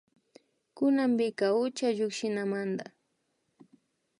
Kunanpika ucha llukshinamanda